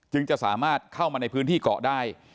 จะสามารถเข้ามาในพื้นที่เกาะได้